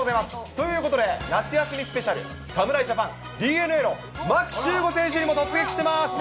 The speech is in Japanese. ということで夏休みスペシャル、侍ジャパン、ＤｅＮＡの牧秀悟選手にも突撃してます。